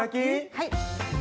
はい。